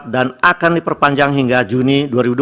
dan akan diperpanjang hingga juni dua ribu dua puluh empat